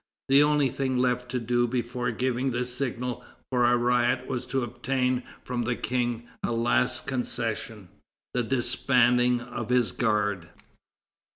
The only thing left to do before giving the signal for a riot was to obtain from the King a last concession, the disbanding of his guard.